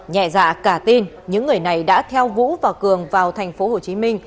nhẹ dạ cả tin những người này đã theo vũ và cường vào tp hcm